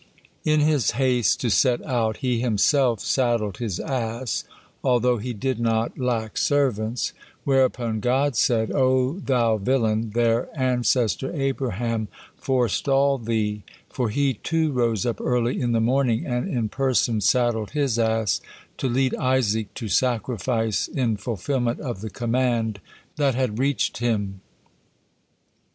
In his haste to set out, he himself saddled his ass although he did not lack servants, whereupon God said: "O thou villain, their ancestor Abraham forestalled thee, for he too rose up early in the morning and in person saddled his ass to lead Isaac to sacrifice in fulfillment of the command that had reached him."